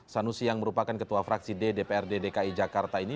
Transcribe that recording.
sanusi yang merupakan ketua fraksi ddprd dki jakarta ini